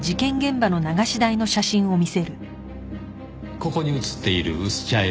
ここに写っている薄茶色の粉